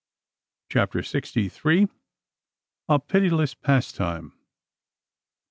CHAPTER SIXTY THREE. A PITILESS PASTIME.